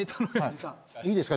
いいですか？